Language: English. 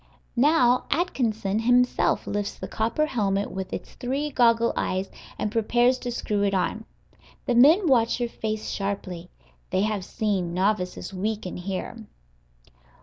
Now Atkinson himself lifts the copper helmet with its three goggle eyes, and prepares to screw it on. The men watch your face sharply; they have seen novices weaken here.